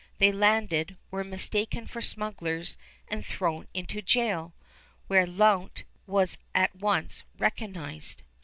They landed, were mistaken for smugglers, and thrown into jail, where Lount was at once recognized.